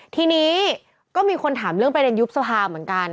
ทีนี้ก็มีคนถามเรื่องประเด็นยุบสภาเหมือนกัน